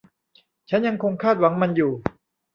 ฉันยังคงคาดหวังมันอยู่